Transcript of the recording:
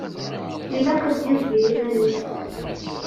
Ilaq ad d-yezg d yiman-is.